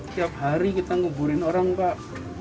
tiap hari kita nguburin orang pak